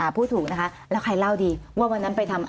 พูดถูกนะคะแล้วใครเล่าดีว่าวันนั้นไปทำ